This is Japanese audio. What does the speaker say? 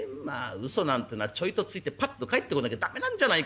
ウソなんてのはちょいとついてパッと帰ってこなきゃ駄目なんじゃないか。